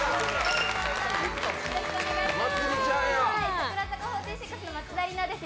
櫻坂４６の松田里奈です。